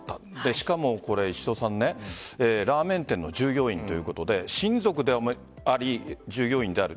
しかも、これラーメン店の従業員ということで親族であり、従業員である。